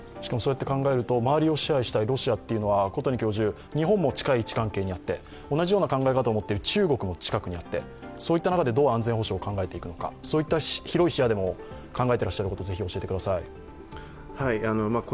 しかもそうやって考えると周りを支配したいロシアは日本も近い位置関係にあって同じような考えを持っている中国も近くにあって、そういった中でどう安全保障を考えていくのかそういった広い視野でも考えてらっしゃること、是非教えてください。